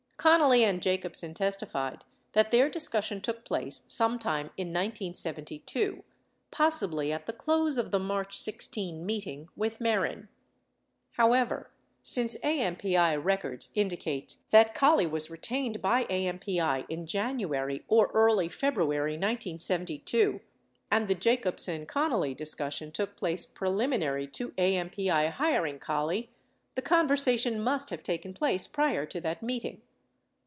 83 Connally and Jacobsen testified that their discussion took place some time in 1972, possibly at the close of the March 16 meeting with Mehren. 84 However, since AMPI records indicate that Collie was retained by AMPI in January or early February 1972 and the Jacobsen Connally discussion took place preliminary to AMPI hiring Collie, the conversation must have taken place prior to that meeting.